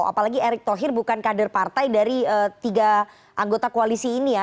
apalagi erick thohir bukan kader partai dari tiga anggota koalisi ini ya